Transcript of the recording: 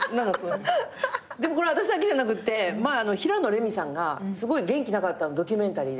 でもこれ私だけじゃなくって前平野レミさんがすごい元気なかったのドキュメンタリーで。